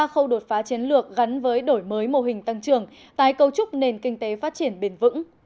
ba khâu đột phá chiến lược gắn với đổi mới mô hình tăng trưởng tái cấu trúc nền kinh tế phát triển bền vững